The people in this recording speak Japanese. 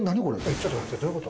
ちょっと待ってどういうこと？